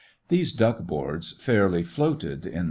These duck boards fairly floated in the mud.